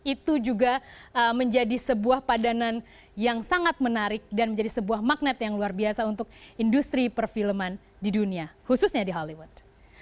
itu juga menjadi sebuah padanan yang sangat menarik dan menjadi sebuah magnet yang luar biasa untuk industri perfilman di dunia khususnya di hollywood